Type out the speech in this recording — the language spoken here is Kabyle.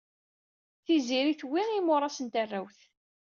Tiziri tuwey imuras n tarrawt.